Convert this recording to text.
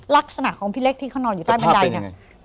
ลักษณะของพี่เล็กที่เขานอนอยู่ใต้บันไดเนี่ย